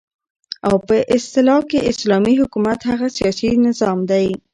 او په اصطلاح كې اسلامي حكومت هغه سياسي نظام دى